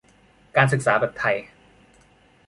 การศึกษาแบบไทย